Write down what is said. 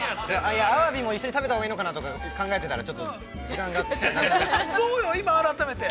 ◆アワビも一緒に食べたほうがいいのかなとか考えてたらちょっと時間がなくなっちゃって。